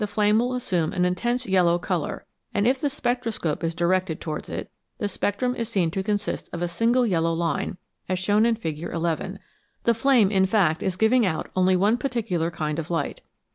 flame will assume an intense yellow colour, and if the spectroscope is directed towards it, the spectrum is seen to consist of a single yellow line, as shown in Fig. 11 ; the flame, in fact, is giving out only one particular kind of light.